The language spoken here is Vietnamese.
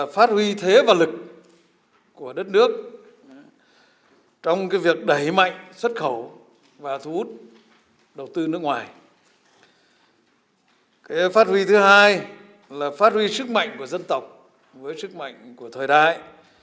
phát huy thứ hai là phát huy sức mạnh của dân tộc với sức mạnh của thời đại